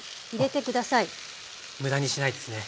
無駄にしないですね。